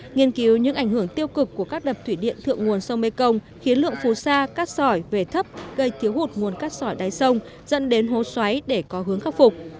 nghiên cứu những ảnh hưởng tiêu cực của các đập thủy điện thượng nguồn sông mê công khiến lượng phù sa cát sỏi về thấp gây thiếu hụt nguồn cát sỏi đáy sông dẫn đến hố xoáy để có hướng khắc phục